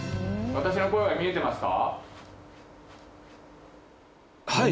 私の声が見えてますか？